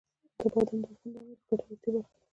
بادام د افغانانو د ګټورتیا برخه ده.